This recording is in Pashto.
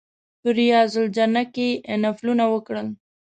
په ریاض الجنه کې نفلونه وکړل.